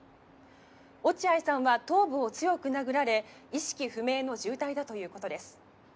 「落合さんは頭部を強く殴られ意識不明の重体だという事です」